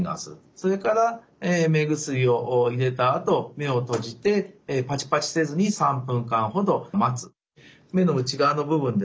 それから目薬を入れたあと目を閉じてパチパチせずに３分間ほど待つ。